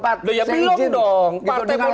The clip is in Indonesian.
partai politik belum dong